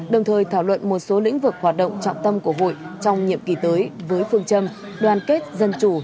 đồng thời thảo luận một số lĩnh vực hoạt động trọng tâm của hội trong nhiệm kỳ tới với phương châm đoàn kết dân chủ